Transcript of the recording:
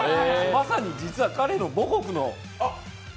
まさに実は彼の母国の。